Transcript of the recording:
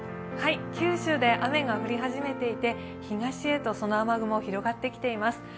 九州で雨が降り始めていて、東へとその雨雲、広がってきています。